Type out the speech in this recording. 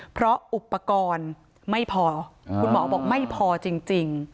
เพราะอุปกรณ์ไม่พอคุณหมอบอกไม่พอจริง